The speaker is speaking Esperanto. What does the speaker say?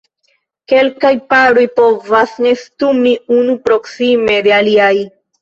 Kelkaj paroj povas nestumi unu proksime de aliaj.